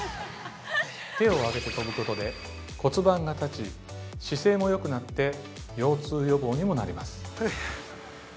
◆手を上げて跳ぶことで骨盤が立ち、姿勢もよくなって腰痛予防にもなります。